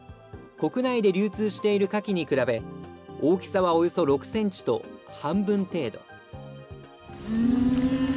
国内で流通しているカキに比べ、大きさはおよそ６センチと半分程度。